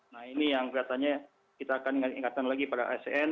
nah ini yang kelihatannya kita akan ingatkan lagi pada asn